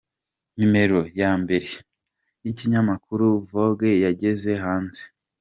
Numero ya mbere y’ikinyamakuru Vogue yageze hanze.